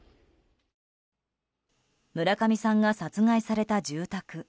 村上さんが殺害された住宅。